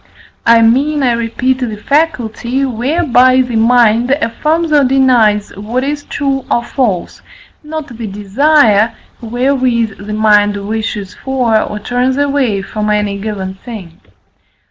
I mean, I repeat, the faculty, whereby the mind affirms or denies what is true or false, not the desire, wherewith the mind wishes for or turns away from any given thing.